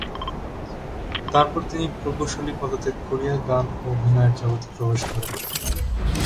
তারপর তিনি প্রকৌশলী পদত্যাগ করিয়া গান ও অভিনয়ের জগতে প্রবেশ করেন।